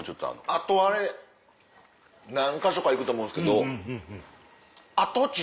あとあれ何か所か行くと思うんですけど。